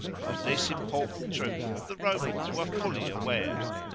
Of this important truth the Romans were fully aware.